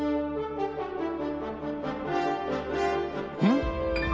うん？